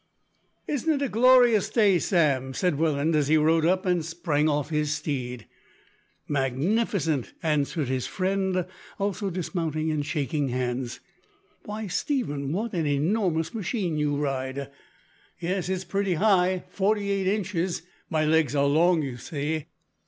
"Isn't it a glorious day, Sam?" said Welland as he rode up and sprang off his steed. "Magnificent!" answered his friend, also dismounting and shaking hands. "Why, Stephen, what an enormous machine you ride!" "Yes, it's pretty high 48 inches. My legs are long, you see.